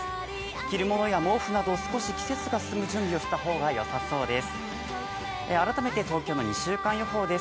着るものや毛布など、少し季節が進む準備をした方がよさそうです。